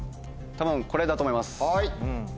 多分これだと思います。